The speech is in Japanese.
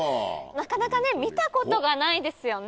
なかなか見たことがないですよね。